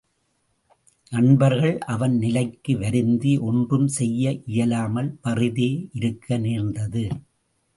நண்பர்கள் அவன் நிலைக்கு வருந்தி, ஒன்றும் செய்ய இயலாமல் வறிதே இருக்க நேர்ந்தது.